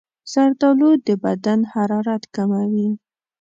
زردالو د بدن حرارت کموي.